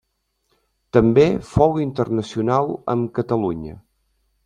També fou internacional amb Catalunya.